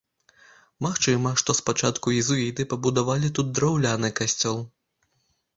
Магчыма, што спачатку езуіты пабудавалі тут драўляны касцёл.